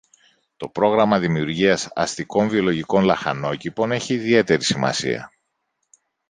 το πρόγραμμα δημιουργίας αστικών βιολογικών λαχανόκηπων έχει ιδιαίτερη σημασία